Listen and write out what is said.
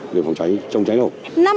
để phòng tránh trong trái nổ